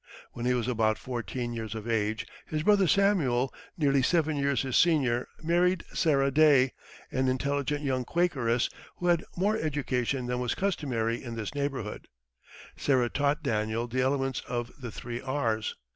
When he was about fourteen years of age, his brother Samuel, nearly seven years his senior, married Sarah Day, an intelligent young Quakeress who had more education than was customary in this neighborhood. Sarah taught Daniel the elements of "the three R's."